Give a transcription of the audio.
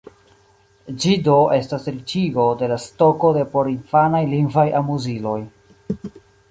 Ĝi do estas riĉigo de la stoko de porinfanaj lingvaj amuziloj.